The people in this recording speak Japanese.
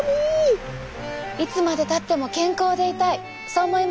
いつまでたっても健康でいたい。